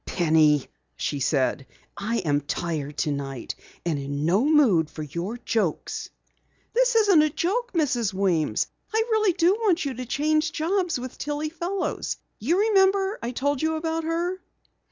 "Penny," she said, "I am tired tonight and in no mood for your jokes." "This isn't a joke, Mrs. Weems. I really do want you to change jobs with Tillie Fellows. You remember I told you about her."